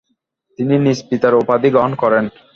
তিনি নিজ পিতার উপাধি গ্রহণ করেন।